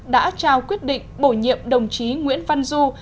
đã trao quyết định bổ nhiệm đồng chí nguyễn văn du